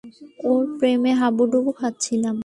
ওর প্রেমে হাবুডুবু খাচ্ছিলাম।